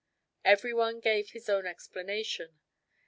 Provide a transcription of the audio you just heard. Everyone gave his own explanation.